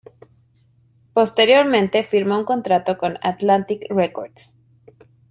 Posteriormente firmó un contrato con Atlantic Records.